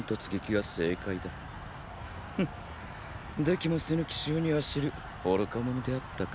フン出来もせぬ奇襲に走る愚か者であったか。